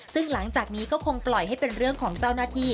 ซึ่งหลังจากนี้ก็คงปล่อยให้เป็นเรื่องของเจ้าหน้าที่